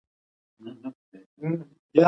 ژبه او پزه کیمیاوي آخذې لري.